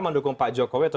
mendukung pak jokowi